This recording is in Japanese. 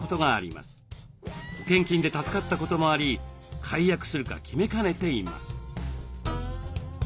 保険金で助かったこともあり解約するか決めかねています。